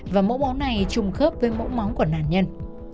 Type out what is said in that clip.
và mẫu máu này trùng khớp với mẫu máu của nạn nhân